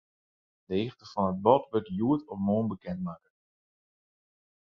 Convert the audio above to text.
De hichte fan dat bod wurdt hjoed of moarn bekendmakke.